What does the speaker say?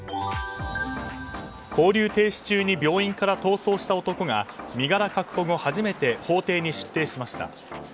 勾留停止中に病院から逃走した男が身柄確保後初めて法廷に出廷しました。